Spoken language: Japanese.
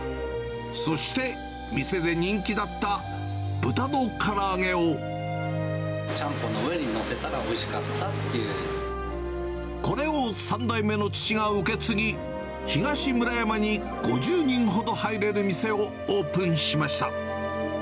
そして、ちゃんぽんの上に載せたらおこれを３代目の父が受け継ぎ、東村山に５０人ほど入れる店をオープンしました。